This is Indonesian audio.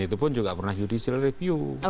itu pun juga pernah judicial review